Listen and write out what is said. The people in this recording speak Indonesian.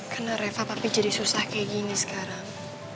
karena reva papi jadi susah kayak gini sekarang